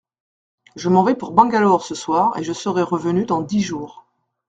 Je m’en vais pour Bangalore ce soir et je serai revenu dans dix jours.